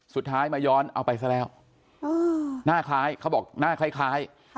สุดท้ายมาย้อนเอาไปซะแล้วหน้าคล้ายเขาบอกหน้าคล้าย